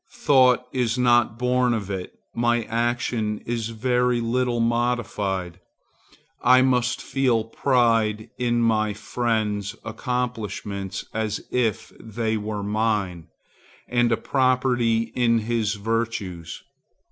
Thought is not born of it; my action is very little modified. I must feel pride in my friend's accomplishments as if they were mine, and a property in his virtues.